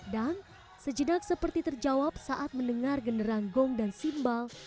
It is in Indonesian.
dan sejenak seperti terjawab saat mendengar generang gong dan simbal